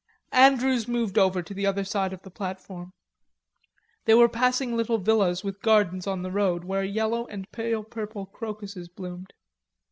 Andrews moved over to the other side of the platform. They were passing little villas with gardens on the road where yellow and pale purple crocuses bloomed.